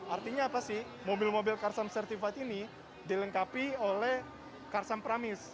artinya apa sih mobil mobil karsam certified ini dilengkapi oleh karsam pramis